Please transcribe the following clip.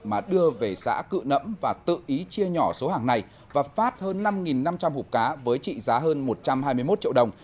mà đưa về xã cự nẫm và tự ý chia nhỏ số hàng này và phát hơn năm năm trăm linh hộp cá với trị giá hơn một trăm hai mươi một triệu đồng